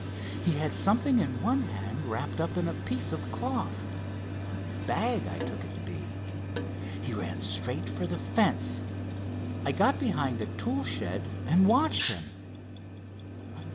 He had something in one hand wrapped up in a piece of cloth, a bag I took it to be. He ran straight for the fence. I got behind a tool shed and watched him."